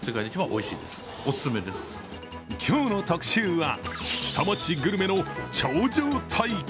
今日の特集は、下町グルメの頂上対決。